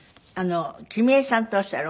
君江さんとおっしゃる？